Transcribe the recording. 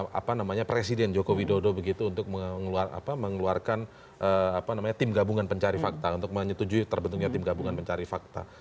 itu apa namanya presiden jokowi dodo begitu untuk mengeluarkan apa namanya tim gabungan pencari fakta untuk menyetujui terbentuknya tim gabungan pencari fakta